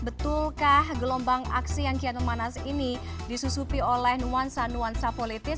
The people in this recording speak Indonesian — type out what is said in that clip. betulkah gelombang aksi yang kian memanas ini disusupi oleh nuansa nuansa politis